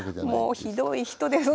もうひどい人で。